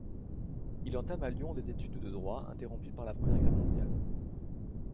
Il entame à Lyon des études de droit, interrompues par la Première Guerre mondiale.